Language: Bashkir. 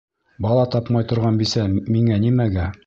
Бала тапмай торған бисә миңә нимәгә?